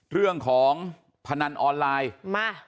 เรื่องของพนันออนไลน์